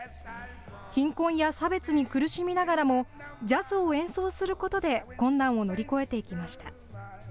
貧困や差別に苦しみながらもジャズを演奏することで困難を乗り越えていきました。